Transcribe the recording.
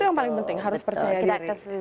itu yang paling penting harus percaya kreatif